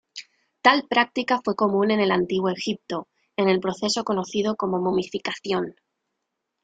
Tal práctica fue común en el Antiguo Egipto, en el proceso conocido como momificación.